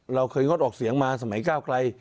เราเคยงดออกเสียงมาสมัยก้าวไกล